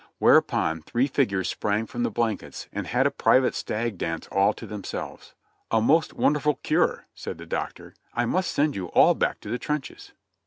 Whereupon three figiu'es sprang from the blankets and had a private stag dance all to themselves. "A most wonderful cure," said the Doctor. "I must send you all back to the trenches